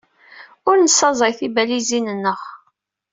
Ur nessaẓay tibalizin-nneɣ.